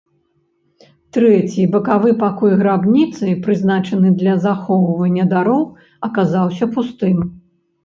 Трэці, бакавы пакой грабніцы, прызначаны для захоўвання дароў аказаўся пустым.